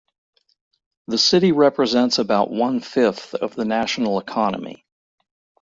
The city represents about one fifth of the national economy.